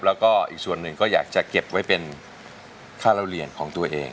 แล้วก็อีกส่วนหนึ่งก็อยากจะเก็บไว้เป็นค่าเล่าเรียนของตัวเอง